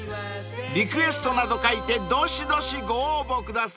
［リクエストなど書いてどしどしご応募ください］